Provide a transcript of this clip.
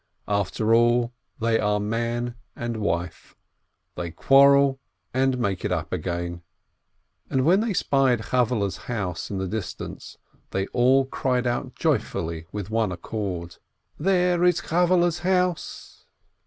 After all they are man and wife. They quarrel and make it up again. And when they spied Chavvehle's house in the dis tance, they all cried out joyfully, with one accord : "There is Chavvehle's house